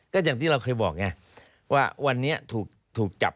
ก็อย่างที่เราเคยบอกไงว่าวันนี้ถูกจับ